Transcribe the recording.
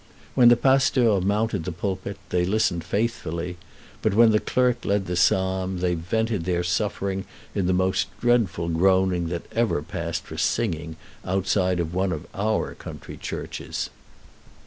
When the pasteur mounted the pulpit they listened faithfully, but when the clerk led the psalm they vented their suffering in the most dreadful groaning that ever passed for singing outside of one of our country churches.